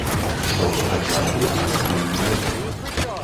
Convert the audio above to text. Што гэта за акругі, пакуль невядома.